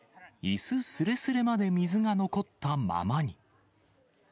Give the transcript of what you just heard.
いすすれすれまで水が残ったままに。